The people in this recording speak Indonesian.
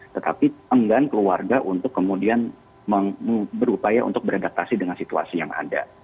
tetapi enggan keluarga untuk kemudian berupaya untuk beradaptasi dengan situasi yang ada